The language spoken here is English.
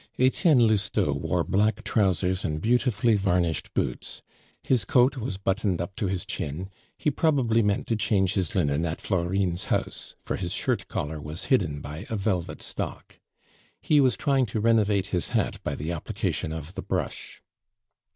Etienne Lousteau wore black trousers and beautifully varnished boots; his coat was buttoned up to his chin; he probably meant to change his linen at Florine's house, for his shirt collar was hidden by a velvet stock. He was trying to renovate his hat by an application of the brush.